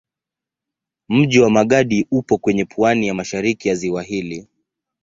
Mji wa Magadi upo kwenye pwani ya mashariki ya ziwa hili.